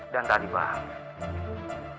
dan tadi bang